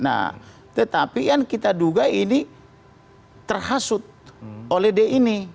nah tetapi yang kita duga ini terhasut oleh d ini